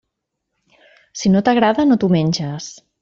Si no t'agrada, no t'ho menges.